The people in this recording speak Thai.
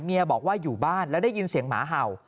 บอกว่าอยู่บ้านแล้วได้ยินเสียงหมาเห่า